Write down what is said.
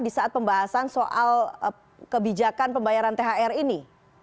di saat pembahasan soal kebijakan pembayaran thr ini